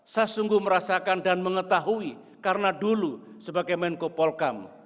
saya sungguh merasakan dan mengetahui karena dulu sebagai menko polkam